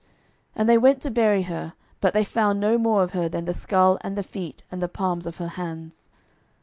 12:009:035 And they went to bury her: but they found no more of her than the skull, and the feet, and the palms of her hands.